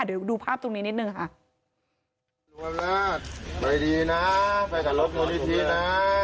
เดี๋ยวดูภาพตรงนี้นิดหนึ่งค่ะไปดีน่ะไปกับรถมูลนิธิน่ะ